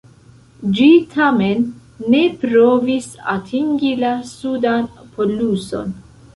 Ĝi tamen ne provis atingi la sudan poluson.